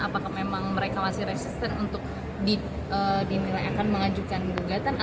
apakah memang mereka masih resisten untuk dinilai akan mengajukan gugatan